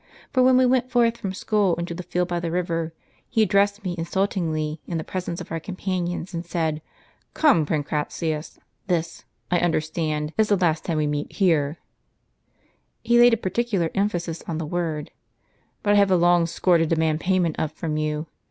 For when we went forth from school into the field by the river, he addressed me insultingly in the presence of our companions, and said, 'Come, Pancratius, this, I understand, is the last time we meet here' (he laid a particular emphasis on the word) ; 'but I have a long score to demand payment of from you.